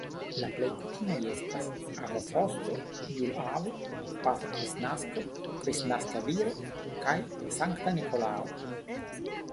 La plej kutimaj estas "Avo Frosto", "Jul-Avo", "Patro Kristnasko", "Kristnaska Viro" kaj "Sankta Nikolao".